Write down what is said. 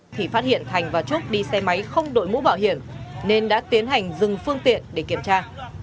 thì phát hiện thành và trúc đi xe máy không đội mũ bảo hiểm nên đã tiến hành dừng phương tiện để kiểm tra